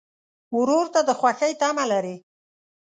ورور ته د خوښۍ تمه لرې.